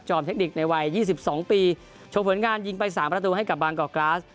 จอมเทคนิคในวัยยี่สิบสองปีโชว์ผลงานยิงไปสามประตูให้กับบางกอกกราศ